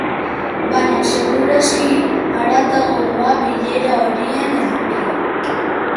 Baina seguraski haratago doa bilera horien edukia.